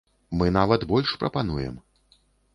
Мы нават больш прапануем.